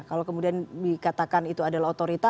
kalau kemudian dikatakan itu adalah otorita